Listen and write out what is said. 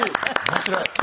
面白い！